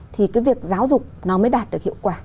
thì cái việc giáo dục nó mới đạt được hiệu quả